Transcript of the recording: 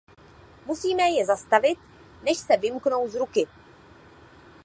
Musíme je zastavit, než se vymknou z ruky.